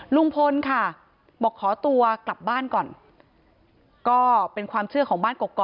ลุงพลค่ะบอกขอตัวกลับบ้านก่อนก็เป็นความเชื่อของบ้านกรกก่อ